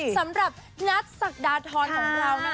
สำหรับนัทศักดาธรของบริมิตร